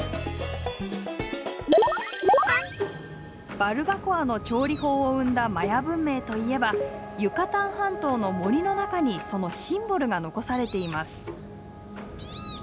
バルバコアの調理法を生んだマヤ文明といえばユカタン半島の森の中にそのシンボルが残されています。